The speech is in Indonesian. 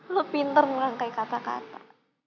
lo pinter merangkai kata kata